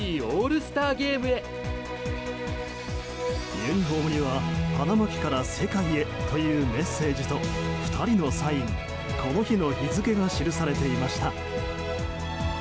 ユニホームには花巻から世界へというメッセージと２人のサイン、この日の日付が記されていました。